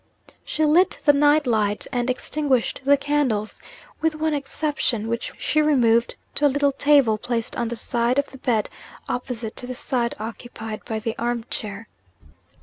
She lit the night light, and extinguished the candles with one exception, which she removed to a little table, placed on the side of the bed opposite to the side occupied by the arm chair.